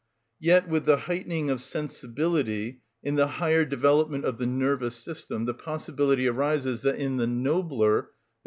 Yet, with the heightening of sensibility, in the higher development of the nervous system, the possibility arises that in the nobler, _i.